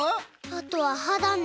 あとははだね。